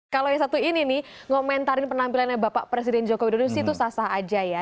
kalau yang satu ini nih ngomentarin penampilannya bapak presiden jokowi dodo disitu sasah aja ya